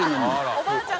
おばあちゃん